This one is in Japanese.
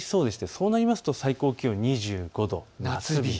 そうなりますと最高気温２５度、夏日。